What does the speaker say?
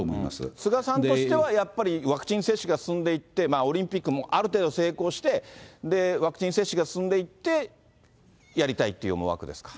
菅さんとしてはやっぱりワクチン接種が進んでいって、オリンピックもある程度成功して、ワクチン接種が進んでいって、やりたいっていう思惑ですか？